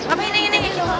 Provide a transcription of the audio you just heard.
apa ini ini ini